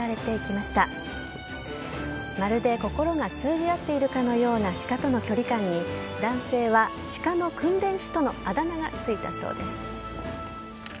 まるで心が通じ合っているかのようなシカとの距離感に、男性はシカの訓練士とのあだ名が付いたそうです。